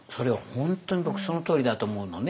本当に僕そのとおりだと思うのね。